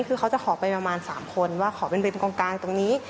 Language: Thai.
คือเขาจะขอไปประมาณ๓คนว่าขอเป็นกองกลางตรงนี้